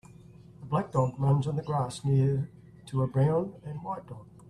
A black dog runs on the grass near to a brown and white dog.